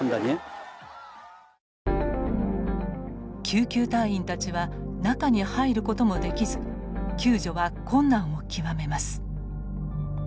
救急隊員たちは中に入ることもできず救助は困難を極めます。